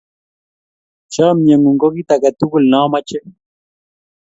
Chamyengung ko kit age tugul ne amache